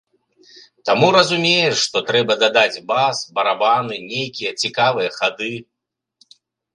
Таму разумееш, што трэба дадаць бас, барабаны, нейкія цікавыя хады.